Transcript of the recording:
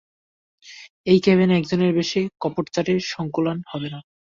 এই কেবিনে একজনের বেশি কপটচারীর সংকুলান হবে না।